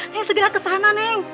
neng segera ke sana neng